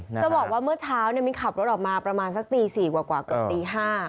จะบอกว่าเมื่อเช้ามิ้นขับรถออกมาประมาณสักตี๔กว่าเกือบตี๕